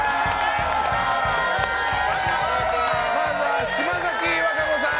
まずは島崎和歌子さん。